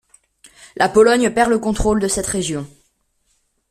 La Pologne perd le contrôle de cette région.